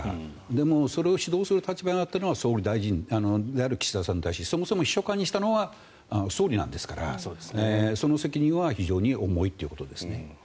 でも、それを指導する立場なのは総理大臣である岸田総理ですしそもそも秘書官にしたのは総理なんですからその責任は非常に重いということです。